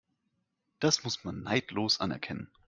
Das muss man neidlos anerkennen.